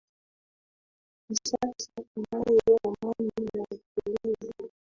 i sasa tunayo amani na utulivu